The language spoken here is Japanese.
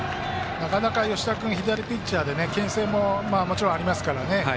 なかなか、吉田君左ピッチャーでけん制もありますからね。